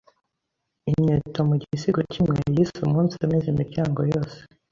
inyeto mu gisigo kimwe yise “Umunsi ameza imiryango yose”